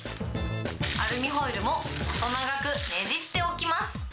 アルミホイルも細長くねじっておきます。